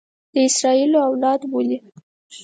د اسراییلو اولاده بولي.